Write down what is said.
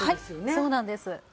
はいそうなんです。